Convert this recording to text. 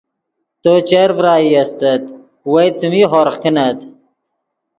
تو چر ڤرائی استت وئے څیمی ہورغ کینت